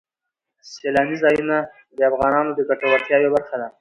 سیلاني ځایونه د افغانانو د ګټورتیا یوه برخه ده.